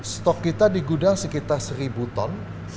stok kita di gudang sekitar seribu ton